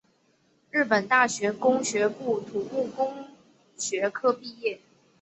日本大学工学部土木工学科毕业。